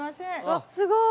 あっすごい。